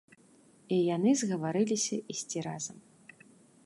І яны згаварыліся ісці разам.